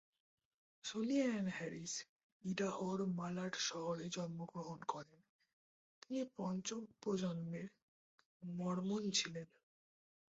Sonia Ann Harris, ইডাহোর Malad শহরে জন্মগ্রহণ করেন, তিনি পঞ্চম প্রজন্মের মরমন ছিলেন।